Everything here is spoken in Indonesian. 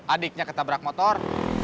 adiknya ketabrak motor